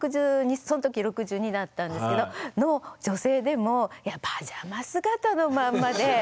その時６２だったんですけどの女性でもいやパジャマ姿のまんまで。